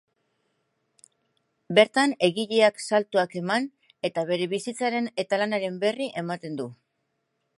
Bertan, egileak saltoak eman eta bere bizitzaren eta lanaren berri ematen du.